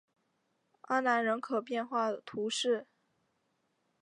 阿南人口变化图示